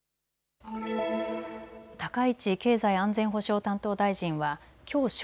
高市経済安全保障担当大臣はきょう正